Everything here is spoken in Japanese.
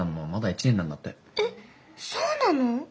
えっそうなの？